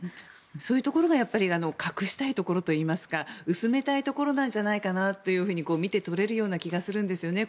そういうところが隠したいところといいますか薄めたいところなんじゃないかなと見て取れる気がするんですよね。